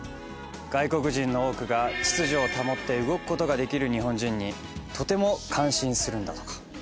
外国人の多くが、秩序を保って動く事ができる日本人にとても感心するんだとか。